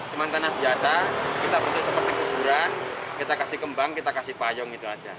cuman tanah biasa kita bentuk seperti kuburan kita kasih kembang kita kasih payung gitu aja